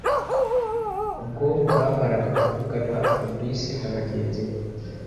ubwo bamaraga kuvugana fabric nabagenzi be